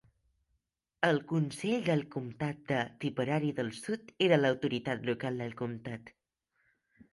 El Consell del Comtat de Tipperary del Sud era l'autoritat local del comtat.